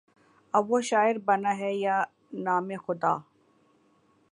اب وہ شاعر بنا ہے بہ نام خدا